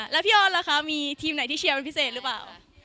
แล้วพี่ออนล่ะคะมีทีมไหนที่เชียร์เป็นพิเศษหรือเปล่า